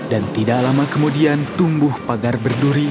dan tidak lama kemudian tumbuh pagar berduri